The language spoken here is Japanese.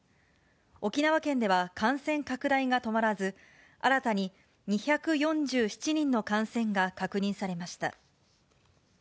沖縄県では、感染拡大が止まらず、新たに２４７人の感染が確認されました。